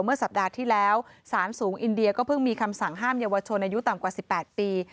เมื่อสัปดาห์ที่แล้วสารสูงอินเดียก็เพิ่งมีคำสั่งห้ามเยาวชนอายุต่ำกว่า๑๘ปี